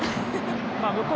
向こう